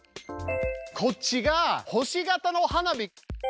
こっちが星形の花火。